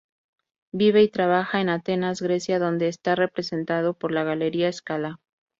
Vive y trabaja en Atenas, Grecia, donde está representado por la Galería Scala.